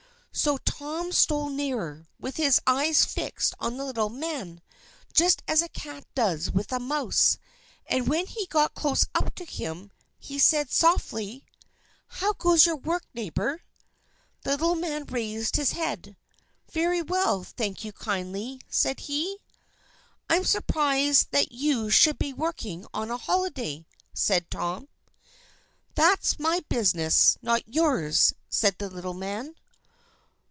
So Tom stole nearer, with his eyes fixed on the little man, just as a cat does with a mouse. And when he got close up to him, he said softly: "How goes your work, neighbour?" The little man raised his head. "Very well, thank you kindly," said he. "I'm surprised that you should be working on a holiday," said Tom. "That's my own business, not yours," said the little man.